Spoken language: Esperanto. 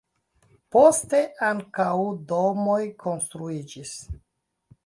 Poste ankaŭ domoj konstruiĝis.